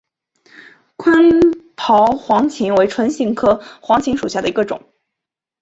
宽苞黄芩为唇形科黄芩属下的一个种。